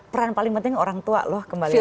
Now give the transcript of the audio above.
peran paling penting orang tua loh kembali lagi